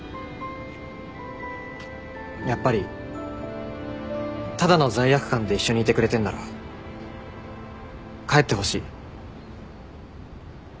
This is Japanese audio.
やっぱりただの罪悪感で一緒にいてくれてんなら帰ってほしい。